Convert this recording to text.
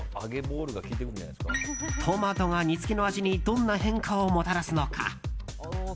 トマトが煮つけの味にどんな変化をもたらすのか。